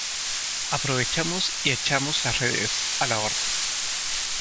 aprovechamos y echamos las redes. a la orden.